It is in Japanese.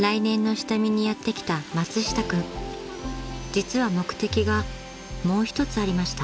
［実は目的がもう一つありました］